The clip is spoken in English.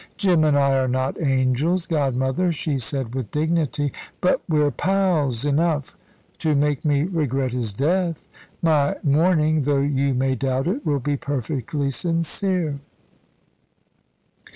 "Jim and I are not angels, godmother," she said with dignity; "but we're pals enough to make me regret his death. My mourning, though you may doubt it, will be perfectly sincere."